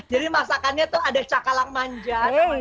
jadi masakannya tuh ada cakalang manja